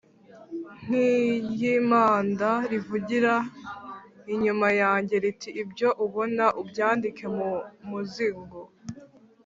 nkiryimpanda rivugira inyuma yanjye riti ibyo ubona ubyandike mu muzingo